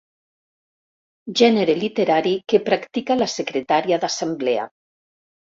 Gènere literari que practica la secretària d'assemblea.